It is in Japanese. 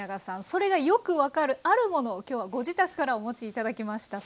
それがよく分かる「あるもの」を今日はご自宅からお持ち頂きました。